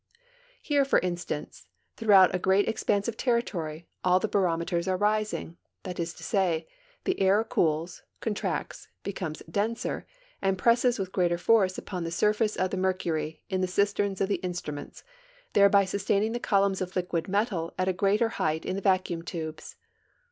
Here, for instance, throughout a great expanse of territory, all the barometers are rising— that is to say, the air cools, con tracts, becomes denser, and j^resses with greater force upon the STORMS AND WEATHER FORECASTS 69 surface of the mercury in the cisterns of the instruments, thereby sustaining the columns of liquid metal at a greater height in the vacuum tubes.